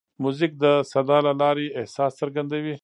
موزیک د صدا له لارې احساس څرګندوي.